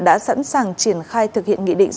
đã sẵn sàng triển khai thực hiện nghị định